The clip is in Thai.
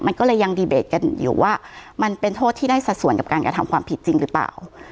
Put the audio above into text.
มันก็เลยยังดีเบตกันอยู่ว่ามันเป็นโทษที่ได้สัดส่วนกับการกระทำความผิดจริงหรือเปล่า